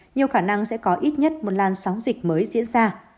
nhiều khả năng sẽ có ít nhất một lan sóng dịch mới diễn biến